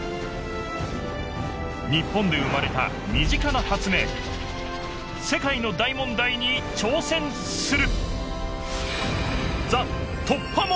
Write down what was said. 日本で生まれた身近な発明世界の大問題に挑戦する！